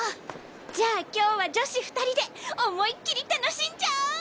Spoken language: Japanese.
じゃあ今日は女子２人でおもいっきり楽しんじゃおう！